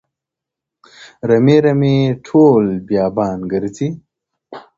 رمې رمې ټول بیابان ګرځي